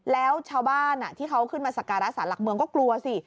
แล้วชาวบ้านที่เขาขึ้นมาสักการะสารหลักเมืองก็กลัวสิ